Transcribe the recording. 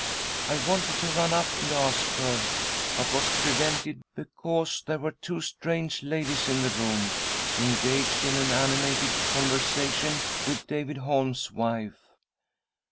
I wanted to run up and ask her, but was prevented because there were two strange ladies in the room engaged in an animated conversation with David Holm's wife.